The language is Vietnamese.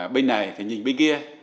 bên này nhìn bên kia